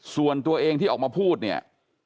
ส่วนตัวเองที่ออกมาพูดเนี่ย